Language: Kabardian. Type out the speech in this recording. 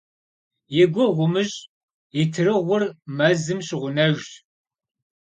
И гугъу умыщӀ, итырыгъур мэзым щыгъунэжщ».